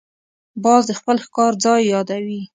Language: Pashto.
باز د خپل ښکار ځای یادوي